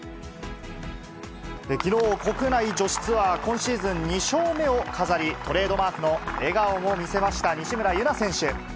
きのう、国内女子ツアー、今シーズン２勝目を飾り、トレードマークの笑顔も見せました西村優菜選手。